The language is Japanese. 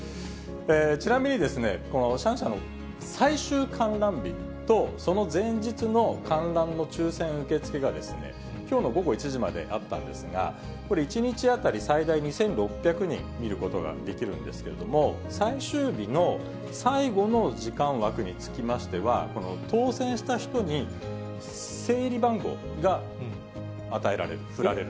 ちなみにですね、このシャンシャンの最終観覧日と、その前日の観覧の抽せん受け付けがきょうの午後１時まであったんですが、これ、１日当たり最大２６００人、見ることができるんですけれども、最終日の最後の時間枠につきましては、当せんした人に整理番号が与えられる、降られる。